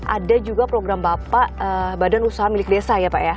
ada juga program bapak badan usaha milik desa ya pak ya